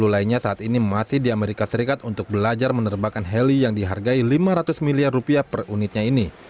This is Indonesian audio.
sepuluh lainnya saat ini masih di amerika serikat untuk belajar menerbakan heli yang dihargai lima ratus miliar rupiah per unitnya ini